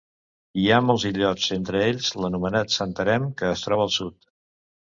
Hi ha molts illots entre ells l'anomenat Santarém que es troba al sud.